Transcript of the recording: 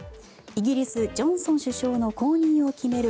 イギリスジョンソン首相の後任を決める